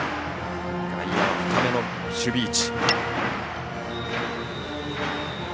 外野は深めの守備位置。